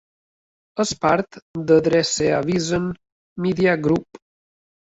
És part d'Adresseavisen Media Group.